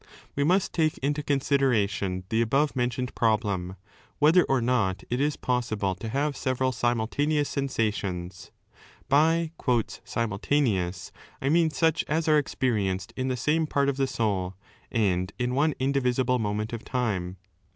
^ We must take into consideration the above mentioned problem, whether or not it is possible to have several simultaneous sensations. By 'simultaneous' I mean such as are experienced in the same part of the soul and in one indivisible moment of time.